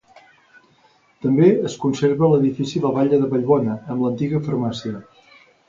També es conserva l'edifici del batlle de Vallbona, amb l'antiga farmàcia.